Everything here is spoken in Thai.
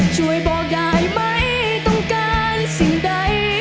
ช่วยบอกยายไม่ต้องการสิ่งใด